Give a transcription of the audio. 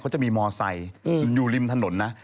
เขาจะมีมอไซค์อยู่ริมถนนนะ